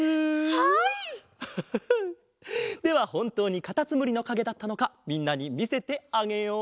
ハハハハではほんとうにカタツムリのかげだったのかみんなにみせてあげよう。